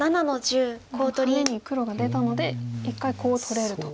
今ハネに黒が出たので１回コウを取れると。